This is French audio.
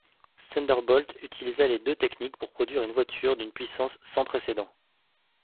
Thunderbolt utilisa les deux techniques pour produire une voiture d'une puissance sans précédent.